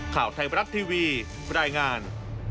ข่าวไทยบรัฐทีวีรายงาน